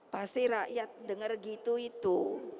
pasti rakyat dengar gitu itu